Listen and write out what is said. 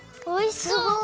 おいしそう！